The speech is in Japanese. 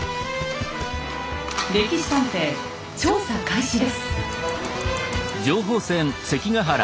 「歴史探偵」調査開始です。